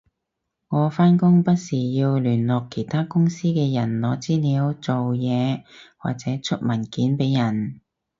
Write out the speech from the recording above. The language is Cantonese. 我返工不時要聯絡其他公司嘅人攞資料做嘢或者出文件畀人